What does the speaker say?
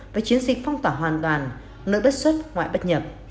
với chiến dịch phong tỏa hoàn toàn nước đất xuất ngoại bất nhập